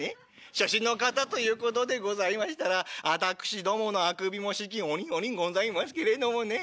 初心の方ということでございましたら私どものあくびも四季折々ございますけれどもね